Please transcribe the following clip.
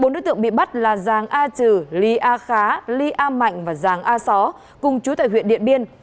bốn đối tượng bị bắt là giàng a trừ ly a khá ly a mạnh và giàng a só cùng chú tại huyện điện biên